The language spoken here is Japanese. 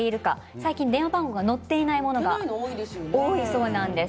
最近、電話番号が載っていないものが多いそうです。